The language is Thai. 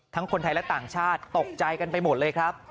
คนไทยและต่างชาติตกใจกันไปหมดเลยครับ